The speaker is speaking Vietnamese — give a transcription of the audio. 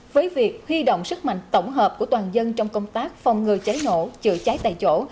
với việc huy động sức mạnh tổng hợp của toàn dân trong công tác phòng ngừa cháy nổ chữa cháy tại chỗ